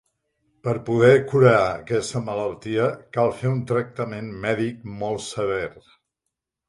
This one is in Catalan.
Per poder curar aquesta malaltia cal fer un tractament mèdic molt sever.